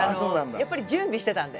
やっぱり準備してたんで。